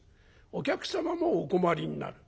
お客様もお困りになる。